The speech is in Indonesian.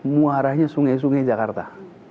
muara sungai sungai jakarta